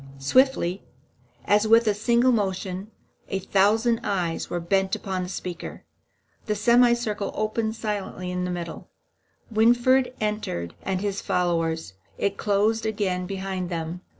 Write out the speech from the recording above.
Swiftly, and as with a single motion, a thousand eyes were bent upon the speaker. The semicircle opened silently in the middle; Winfried entered with his followers; it closed again behind them.